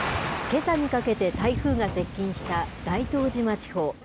けさにかけて台風が接近した大東島地方。